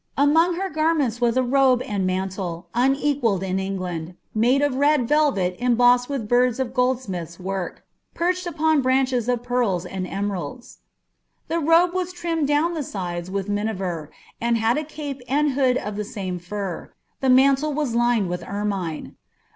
Among her garments was a robe and mantle, QBc^callcd in England, made of red velvet embossed with birds of gold ■niUia* work, perched upon branches of pearls and emeralds. The robe «ra« trimmed down the sides with miniver, and had a enpe and hood of thp f«me fur. the mantle was lined with ermine.